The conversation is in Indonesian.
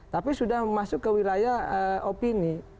tapi sudah masuk ke wilayah opini